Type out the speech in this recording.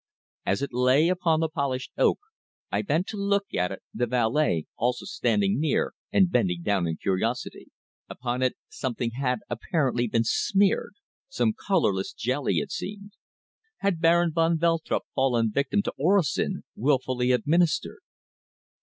As it lay upon the polished oak I bent to look at it, the valet also standing near and bending down in curiosity. Upon it something had apparently been smeared some colourless jelly, it seemed. Had Baron van Veltrup fallen victim to orosin, wilfully administered?